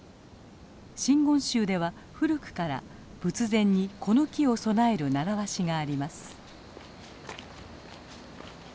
真言宗では古くから仏前にこの木を供える習わしがあります。